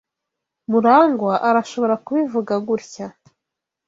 MuragwA arashobora kubivuga gutya.